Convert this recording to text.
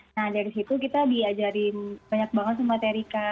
nah dari situ kita diajarin banyak banget sama terika